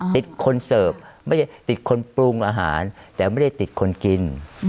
ติดคนเสิร์ฟไม่ได้ติดคนปรุงอาหารแต่ไม่ได้ติดคนกิน